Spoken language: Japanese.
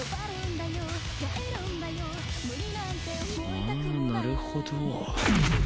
ああなるほど。